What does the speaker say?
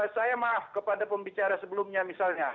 saya maaf kepada pembicara sebelumnya misalnya